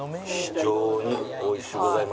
非常に美味しゅうございました。